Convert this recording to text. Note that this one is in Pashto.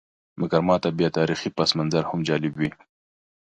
مګر ماته بیا تاریخي پسمنظر هم جالب وي.